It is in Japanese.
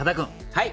はい。